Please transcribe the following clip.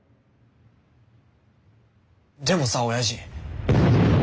でもさおやじ。